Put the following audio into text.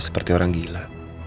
gak seperti orang gila